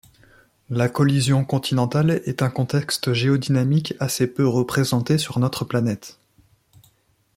La collision continentale est un contexte géodynamique assez peu représenté sur notre planète.